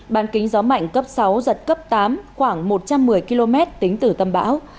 ban kính gió mạnh cấp sáu giật cấp tám khoảng một trăm một mươi km tính từ tâm bão